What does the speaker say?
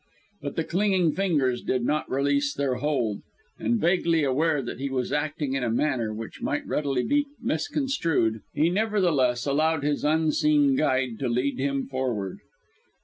But the clinging fingers did not release their hold, and vaguely aware that he was acting in a manner which might readily be misconstrued, he nevertheless allowed his unseen guide to lead him forward.